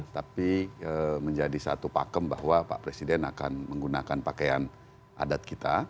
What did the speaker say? tapi menjadi satu pakem bahwa pak presiden akan menggunakan pakaian adat kita